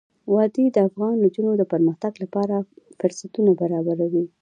وادي د افغان نجونو د پرمختګ لپاره فرصتونه برابروي.